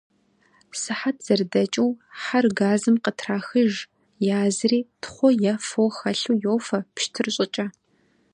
Сыхьэт зэрыдэкӏыу, хьэр газым къытрахыж, язри, тхъу е фо хэлъу йофэ пщтыр щӏыкӏэ.